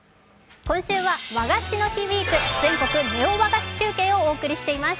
今週は「和菓子の日ウィーク全国ネオ和菓子中継」をお送りしています。